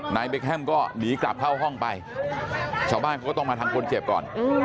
เบคแฮมก็หนีกลับเข้าห้องไปชาวบ้านเขาก็ต้องมาทางคนเจ็บก่อน